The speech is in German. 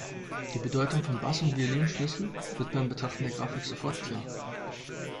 Die Bedeutung von Bass- und Violinschlüssel wird beim Betrachten der Grafik sofort klar.